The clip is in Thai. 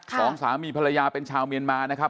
สองสามีภรรยาเป็นชาวเมียนมานะครับ